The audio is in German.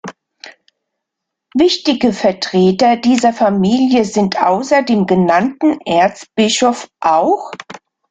Wichtige Vertreter dieser Familie sind außer dem genannten Erzbischof auch